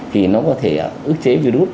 thì nó có thể ức chế virus